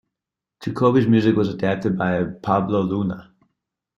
Jacobi's music was adapted by Pablo Luna.